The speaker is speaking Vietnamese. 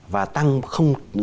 và tăng không